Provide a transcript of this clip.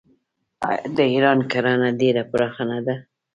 آیا د ایران کرنه ډیره پراخه نه ده؟